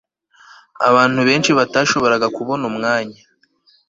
abantu benshi batashoboraga kubona umwanya